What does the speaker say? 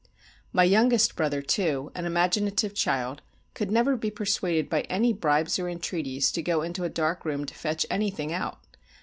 My youngest brother, too, an imaginative child, could never be persuaded by any bribes or entreaties to go into a dark room to fetch anything out.